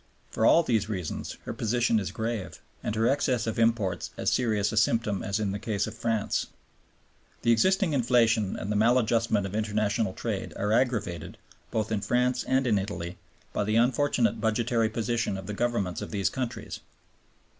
For all these reasons her position is grave, and her excess of imports as serious a symptom as in the case of France. The existing inflation and the maladjustment of international trade are aggravated, both in France and in Italy, by the unfortunate budgetary position of the Governments of these countries.